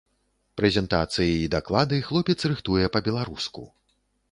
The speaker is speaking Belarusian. Прэзентацыі і даклады хлопец рыхтуе па-беларуску.